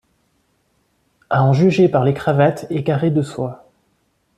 À en juger par les cravates et carr'es de soie.